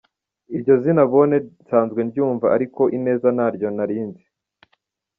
Iryo zina Bonne nsanzwe ndyumva ariko ‘Ineza’ ntaryo nari nzi.